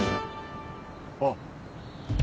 あっ！